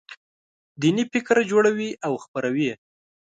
دیني فکر جوړوي او خپروي یې.